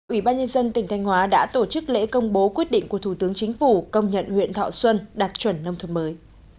ủy ban nhân dân tỉnh thanh hóa đã tổ chức lễ công bố quyết định của thủ tướng chính phủ công nhận huyện thọ xuân đạt chuẩn nông thuận mới